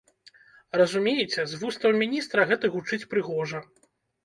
Разумееце, з вуснаў міністра гэта гучыць прыгожа.